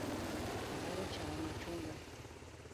Ahero chamo machungwa.